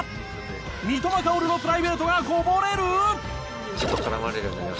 三笘薫のプライベートがこぼれる！？